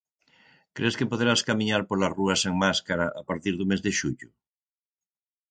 Cres que poderás camiñar pola rúa sen máscara a partir do mes de xullo?